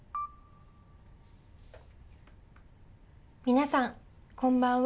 皆さんこんばんは。